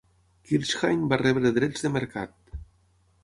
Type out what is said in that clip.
Kirchhain va rebre drets de mercat.